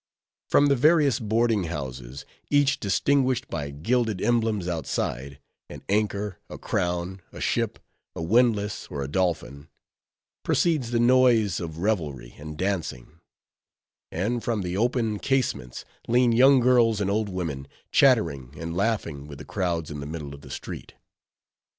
From the various boarding houses, each distinguished by gilded emblems outside—an anchor, a crown, a ship, a windlass, or a dolphin—proceeds the noise of revelry and dancing; and from the open casements lean young girls and old women, chattering and laughing with the crowds in the middle of the street.